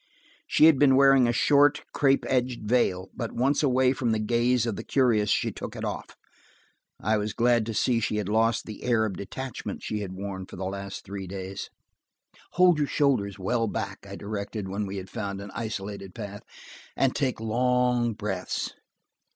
She had been wearing a short, crepe edged veil, but once away from the gaze of the curious, she took it off. I was glad to see she had lost the air of detachment she had worn for the last three days. "Hold your shoulders well back," I directed, when we had found an isolated path, "and take long breaths.